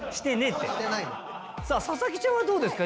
さあ笹木ちゃんはどうですか？